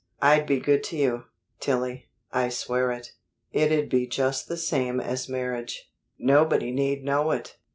I'd be good to you, Tillie, I swear it. It'd be just the same as marriage. Nobody need know it."